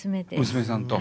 娘さんと。